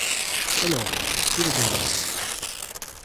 E logo, ti de quen vés sendo?